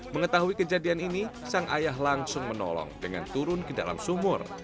mengetahui kejadian ini sang ayah langsung menolong dengan turun ke dalam sumur